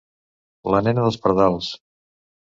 La nena dels pardals.